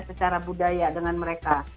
secara budaya dengan mereka